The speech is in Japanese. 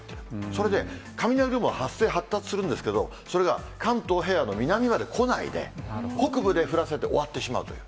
それで雷雲が発生、発達するんですけど、それが関東平野の南まで来ないで、北部で降らせて終わってしまうという。